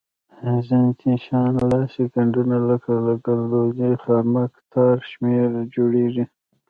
زینتي شیان لاسي ګنډونه لکه ګلدوزي خامک تار شمېر جوړیږي.